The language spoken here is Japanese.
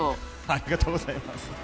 ありがとうございます。